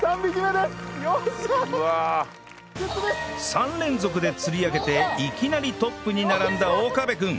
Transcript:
３連続で釣り上げていきなりトップに並んだ岡部君